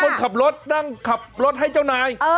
คนขับรถนั่งขับรถให้เจ้านาย